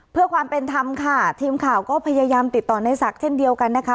เพื่อความเป็นธรรมค่ะทีมข่าวก็พยายามติดต่อในศักดิ์เช่นเดียวกันนะคะ